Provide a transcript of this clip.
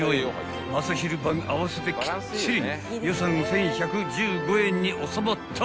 ［朝昼晩合わせてきっちり予算１，１１５円に収まった］